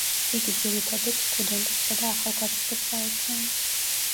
იგი ძირითადად სტუდენტებსა და ახალგაზრდებს აერთიანებს.